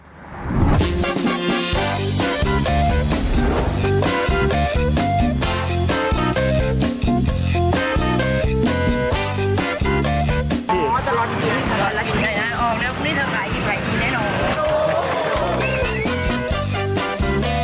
อ๋อตลอดกินตลอดละหิน